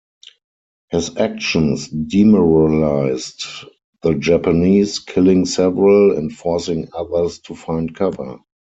His actions demoralised the Japanese, killing several and forcing others to find cover.